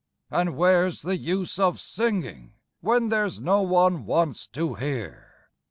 And where's the use of singing, when there's no one wants to hear?